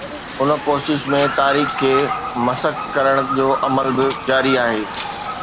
ان ڪوشش ۾ تاريخ کي مسخ ڪرڻ جو عمل به جاري آهي.